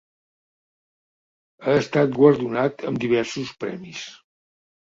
Ha estat guardonat amb diversos premis.